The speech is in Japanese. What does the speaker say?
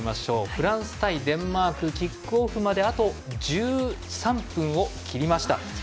フランス対デンマークキックオフまであと１３分を切りました。